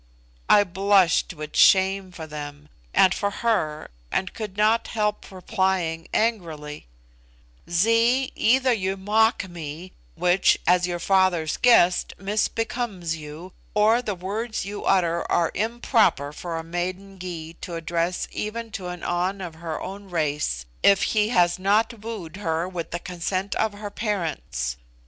I blushed with shame for them, and for her, and could not help replying angrily: "Zee, either you mock me, which, as your father's guest, misbecomes you, or the words you utter are improper for a maiden Gy to address even to an An of her own race, if he has not wooed her with the consent of her parents.